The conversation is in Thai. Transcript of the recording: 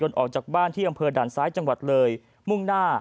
ยนต์ออกจากบ้านที่อำเภอดันที่ซ้ายจังหวัดเวลามุ่งหน้า